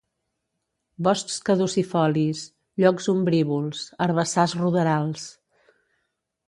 Boscs caducifolis, llocs ombrívols, herbassars ruderals.